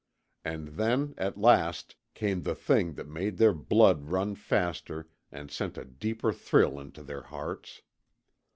And then, at last, came the thing that made their blood run faster and sent a deeper thrill into their hearts.